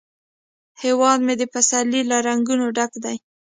هیواد مې د پسرلي له رنګونو ډک دی